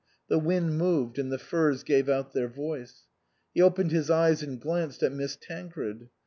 The wind moved and the firs gave out their voice. He opened his eyes and glanced at Miss Tancred.